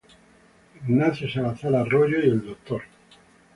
Ignacio Salazar Arroyo y el Dr.